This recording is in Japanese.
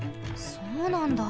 そうなんだ。